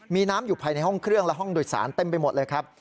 มีน้ำอยู่ภายในห้องเครื่องและห้องโดยสารเต็มไปหมดเลยครับ